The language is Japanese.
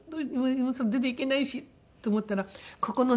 今更出て行けないしと思ったらここのね